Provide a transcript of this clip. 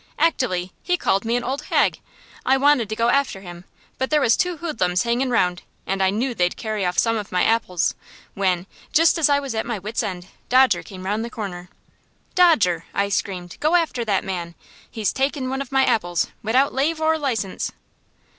"Actilly he called me an old hag! I wanted to go after him, but there was two hoodlums hangin' round, and I knew they'd carry off some of my apples, when, just as I was at my wits' end, Dodger came round the corner. "'Dodger,' I screamed, 'go after that man! He's taken one of my apples, widout lave or license!'